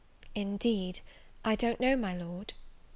"Indeed I don't know, my Lord."